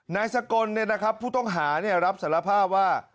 นายสกลผู้ต้องหารับสารภาพว่า